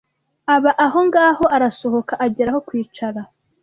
Aba aho ngaho arasohoka agera aho kwicara